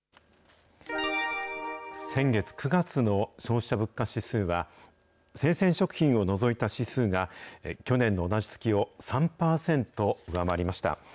先月・９月の消費者物価指数は、生鮮食品を除いた指数が、去年の同じ月を３％上回りました。